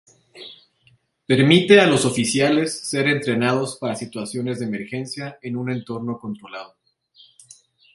Permite a los oficiales ser entrenados para situaciones de emergencia en un entorno controlado.